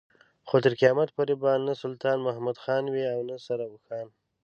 خو تر قيامت پورې به نه سلطان محمد خان وي او نه سره اوښان.